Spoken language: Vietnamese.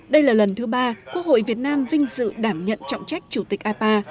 đây là lần thứ ba quốc hội việt nam vinh dự đảm nhận trọng trách chủ tịch ipa